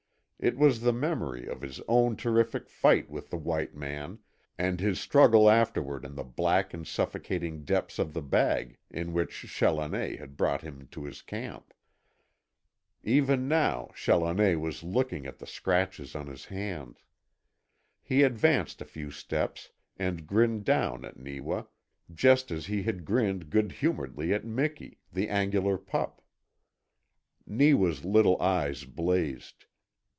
It was the memory of his own terrific fight with the white man, and his struggle afterward in the black and suffocating depths of the bag in which Challoner had brought him to his camp. Even now Challoner was looking at the scratches on his hands. He advanced a few steps, and grinned down at Neewa, just as he had grinned good humouredly at Miki, the angular pup. Neewa's little eyes blazed.